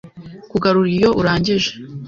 Kugarura iyo urangije.